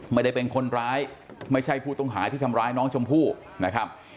ไม่ได้เป็นคนร้ายไม่ใช่ผู้ต้องหาที่ทำร้ายน้องชมพู่นะครับ